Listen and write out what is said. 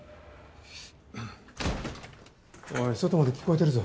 おい外まで聞こえてるぞ。